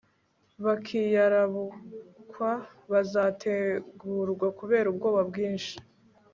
bakiyirabukwa bazatengurwa kubera ubwoba bwinshi